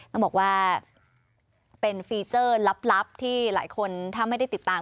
ต้องบอกว่าเป็นฟีเจอร์ลับที่หลายคนถ้าไม่ได้ติดตาม